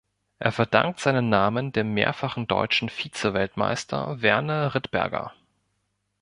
Er verdankt seinen Namen dem mehrfachen deutschen Vize-Weltmeister Werner Rittberger.